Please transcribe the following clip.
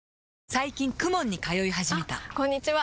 最近 ＫＵＭＯＮ に通い始めたあこんにちは！